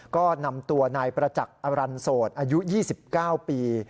ก็นำตัวนายประจักษ์อรันโสดอายุ๒๙ปี